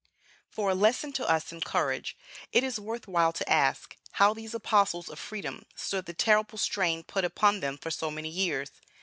For a lesson to us in courage, it is worth while to ask, how these Apostles of Freedom stood the terrible strain put upon them for so many years.